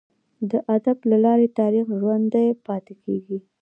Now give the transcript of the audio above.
د ادب له لاري تاریخ ژوندي پاته کیږي.